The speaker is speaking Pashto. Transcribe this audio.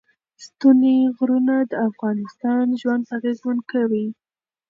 ستوني غرونه د افغانانو ژوند اغېزمن کوي.